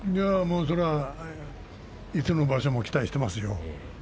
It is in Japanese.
それは、いつの場所も期待していますよ。